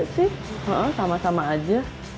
sih sama sama aja